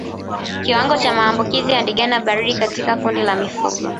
Kiwango cha maambukizi ya ndigana baridi katika kundi la mifugo